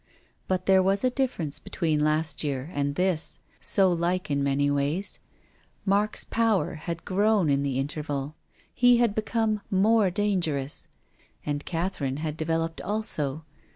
But there was a difference between last year and this, so like in many ways. Mark's power had grown in the interval. He had become more danger ous. And Catherine had developed also.